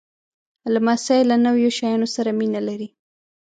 لمسی له نویو شیانو سره مینه لري.